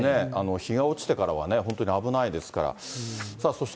日が落ちてからはね、本当に危ないですから。